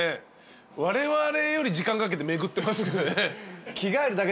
われわれより時間かけて巡ってますね。